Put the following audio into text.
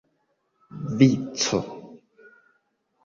vico